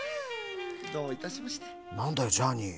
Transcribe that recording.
なんだよジャーニー。